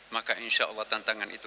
maka insya allah tantangan itu